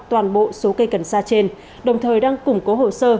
toàn bộ số cây cần sa trên đồng thời đang củng cố hồ sơ